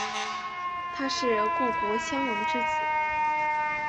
他是故国壤王之子。